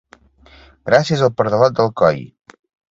Gràcies al pardalot d'Alcoi!